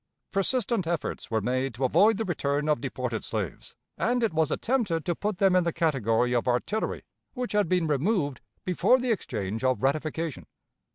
Persistent efforts were made to avoid the return of deported slaves, and it was attempted to put them in the category of artillery which had been removed before the exchange of ratification.